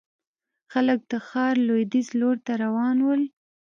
خلک د ښار لوېديځ لور ته روان ول.